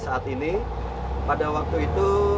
saat ini pada waktu itu